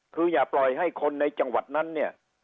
คืออย่าปล่อยให้คนในจังหวัดนั้นเนี่ย